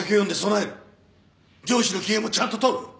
上司の機嫌もちゃんと取る。